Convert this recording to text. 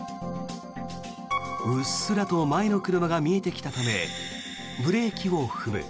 うっすらと前の車が見えてきたためブレーキを踏む。